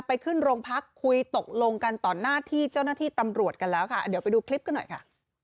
ไปขึ้นโรงพักคุยตกลงกันต่อหน้าที่เจ้าหน้าที่ตำรวจกันแล้วค่ะเดี๋ยวไปดูคลิปกันหน่อยค่ะ